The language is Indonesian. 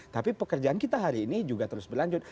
tapi pekerjaan kita hari ini juga terus berlanjut